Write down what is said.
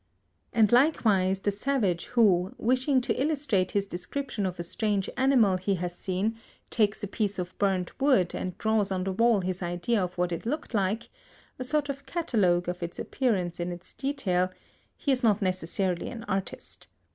And likewise the savage who, wishing to illustrate his description of a strange animal he has seen, takes a piece of burnt wood and draws on the wall his idea of what it looked like, a sort of catalogue of its appearance in its details, he is not necessarily an artist.